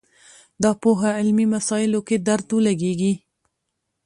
دا پوهه علمي مسایلو کې درد ولګېږي